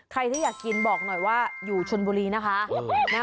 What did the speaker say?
ใครที่อยากกินบอกหน่อยว่าอยู่ชนบุรีนะคะ